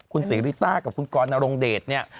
คุณเสริต้ากับคุณกรนรงเดชเนี่ย